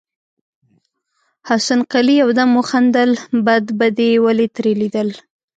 حسن قلي يودم وخندل: بد به دې ولې ترې ليدل.